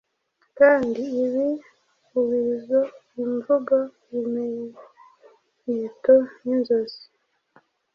Kandi ibiubizo, imvugo, ibimenyeto ninzozi